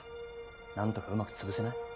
何とかうまくつぶせない？